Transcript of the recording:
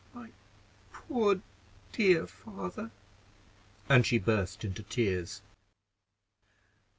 My poor dear father!" and she burst into tears.